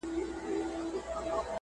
پکې شراکت ولري